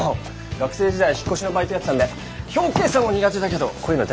学生時代引っ越しのバイトやってたんで表計算は苦手だけどこういうのは大得意なんですよ。